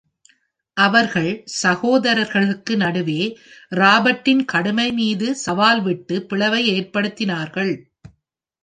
அவர்கள் சகோதரர்களுக்கு நடுவே, ராபர்ட்டின் கடுமை மீது சவால் விட்டு, பிளவை ஏற்படுத்தினார்கள்.